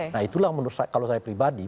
nah itulah menurut saya kalau saya pribadi